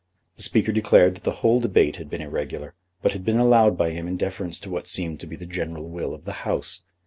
The Speaker declared that the whole debate had been irregular, but had been allowed by him in deference to what seemed to be the general will of the House.